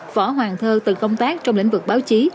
võ hoàng thơ từng công tác trong lĩnh vực báo chí